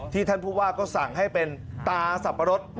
ท่านผู้ว่าก็สั่งให้เป็นตาสับปะรด